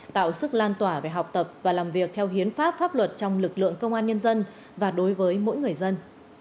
tạo sức lan tỏa về học tập và làm việc theo hiến pháp pháp luật trong lực lượng công an nhân dân và đối với mỗi người dân